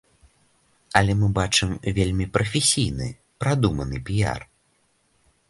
Але мы бачым вельмі прафесійны, прадуманы піяр.